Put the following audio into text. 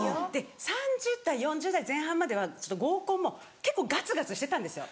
３０代４０代前半までは合コンも結構ガツガツしてたんですよ。